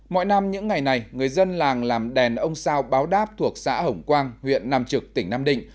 mọi năm những ngày này người dân làng làm đèn ông sao báo đáp thuộc xã hồng quang huyện nam trực tỉnh nam định